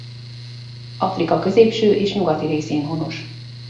Afrika középső és nyugati részén honos.